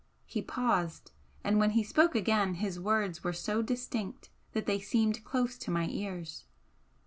He paused and when he spoke again his words were so distinct that they seemed close to my ears.